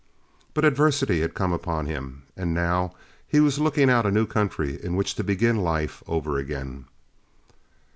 But adversity had come upon him, and now he was looking out a new country in which to begin life over again.